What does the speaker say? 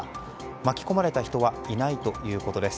巻き込まれた人はいないということです。